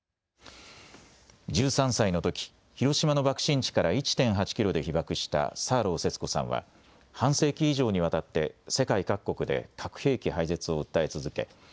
１３歳のとき広島の爆心地から１．８キロで被爆したサーロー節子さんは半世紀以上にわたっって世界各国で核兵器廃絶を訴え続け